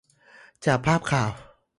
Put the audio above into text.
จากภาพข่าว